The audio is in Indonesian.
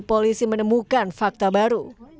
polisi menemukan fakta baru